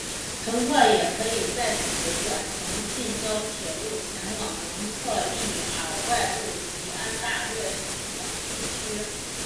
乘客也可以在此转乘近郊铁路前往蒙特利尔外部及安大略省等地区。